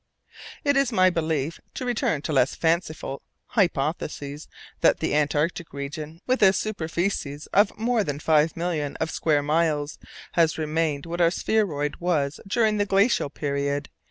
It is my belief to return to less fanciful hypotheses that the Antarctic region, with a superficies of more than five millions of square miles, has remained what our spheroid was during the glacial period.